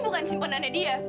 aku bukan simpenannya dia